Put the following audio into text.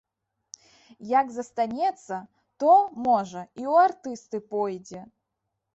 Як застанецца, то, можа, і ў артысты пойдзе.